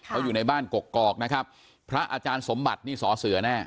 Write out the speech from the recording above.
เขาอยู่ในบ้านกกอกนะครับพระอาจารย์สมบัตินี่สอเสือแน่